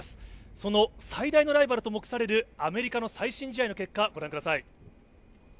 その最大のライバルと目されるアメリカの最新試合の結果ご覧ください。